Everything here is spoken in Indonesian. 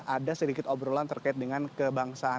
ada sedikit obrolan terkait dengan kebangsaan